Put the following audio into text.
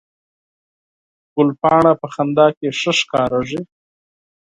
ګلپاڼه په خندا کې ښه ښکارېږي